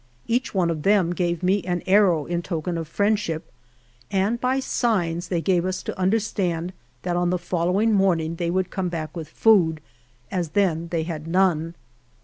Each one of them gave me an arrow in token of friendship, and by signs they gave us to understand that on the following morning they would come back with food, as then they had none.